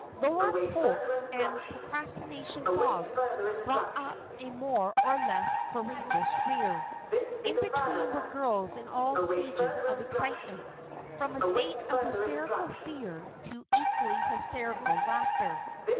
Laura Polk and "Procrastination Boggs" brought up a more or less courageous rear. In between were girls in all stages of excitement, from a state of hysterical fear to equally hysterical laughter.